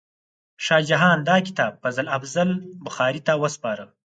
شاه جهان دا کتاب محمد افضل بخاري ته وسپاره.